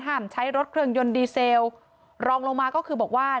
ใช้รถเครื่องยนต์ดีเซลรองลงมาก็คือบอกว่า